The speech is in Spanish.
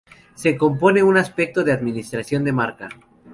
Se compone de un aspecto de la administración de marca.